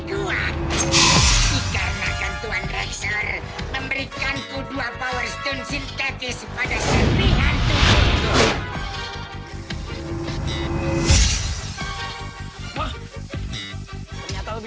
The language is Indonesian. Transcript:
kuat dikarenakan tuan reksor memberikanku dua powerstone sintetis pada serpi hantu